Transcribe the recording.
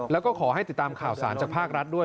แล้วก็ขอให้ติดตามข่าวสารจากภาครัฐด้วย